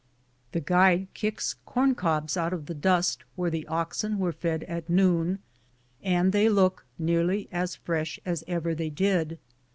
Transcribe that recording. The guide kicks corn cobs out of the dust where the oxen were fed at noon, and they look nearly as fresh as ever they did.